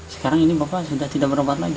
sekarang ini bapak sudah tidak berobat lagi